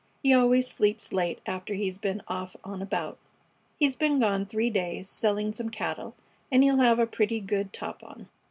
He always sleeps late after he's been off on a bout. He's been gone three days, selling some cattle, and he'll have a pretty good top on."